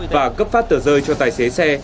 và cấp phát tờ rơi cho tài xế xe